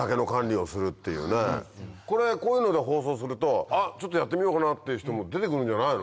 これこういうので放送すると「あっちょっとやってみようかな」っていう人も出て来るんじゃないの？